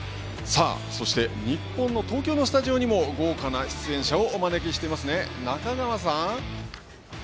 そして、日本の東京のスタジオにも豪華な出演者をお招きしていますね、中川さん。